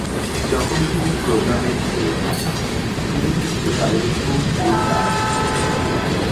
যখন তিনি প্রোগ্রামের চেক, তিনি কিছু তাদের খুব ভুল দাঁত।